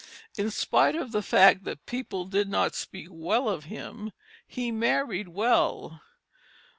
In spite of the fact that "people did not speak well of him," he married well.